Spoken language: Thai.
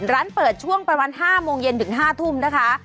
ร้านเปิดช่วงประมาณ๕โมงเย็นถึง๕ทุ่มนะคะ